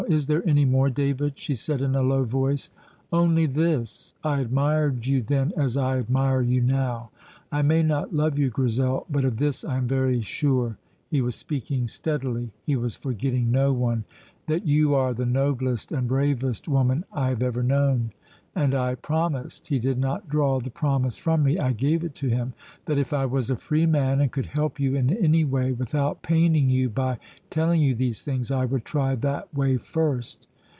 "Is there any more, David?" she said in a low voice. "Only this. I admired you then as I admire you now. I may not love you, Grizel, but of this I am very sure" he was speaking steadily, he was forgetting no one "that you are the noblest and bravest woman I have ever known, and I promised he did not draw the promise from me, I gave it to him that if I was a free man and could help you in any way without paining you by telling you these things, I would try that way first."